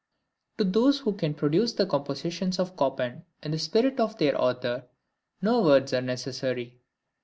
To those who can produce the compositions of Chopin in the spirit of their author, no words are necessary.